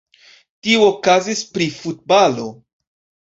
Tio okazis pri futbalo.